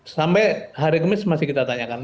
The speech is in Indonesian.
sampai hari kemis masih kita tanyakan